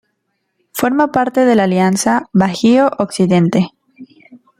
Forma parte de la Alianza Bajío-Occidente.